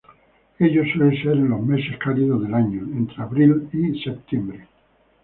Ello suele ser en los meses cálidos del año, entre abril y septiembre.